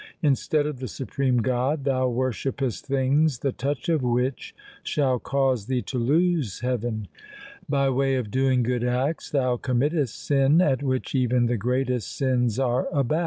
Instead of the Supreme God thou worshippest things the touch of which shall cause thee to lose heaven. By way of doing good acts thou committest sin at which even the greatest sins are abashed — 1 Suraj Parkash, Rut III, Chapter 29.